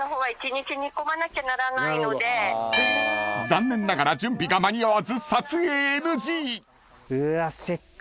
［残念ながら準備が間に合わず］